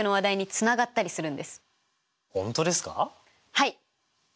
はい！